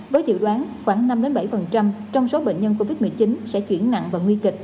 với dự đoán khoảng năm bảy trong số bệnh nhân covid một mươi chín sẽ chuyển nặng